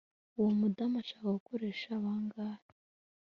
Uwo mudamu ashaka gukoresha bangahe